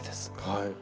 はい。